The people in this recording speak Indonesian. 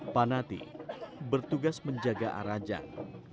panati bertugas menjaga arah jang